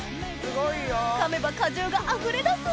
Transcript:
かめば果汁があふれ出す！